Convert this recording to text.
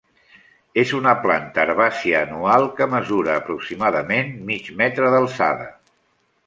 És una planta herbàcia anual que mesura aproximadament mig metre d'alçada.